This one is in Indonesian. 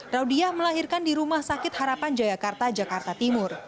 raudiah melahirkan di rumah sakit harapan jayakarta jakarta timur